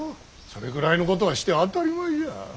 それぐらいのことはして当たり前じゃ。